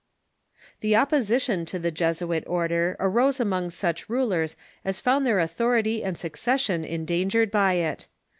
The opposition to the Jesuit order arose among such rulers as found their authority and succession endangered by it.